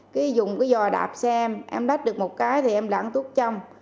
cứ dùng cái dò đạp xe em em đách được một cái thì em lãng tút trong